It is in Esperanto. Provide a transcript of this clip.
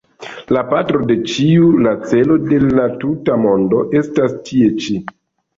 La patro de ĉiu, la celo de la tuta mondo estas tie ĉi.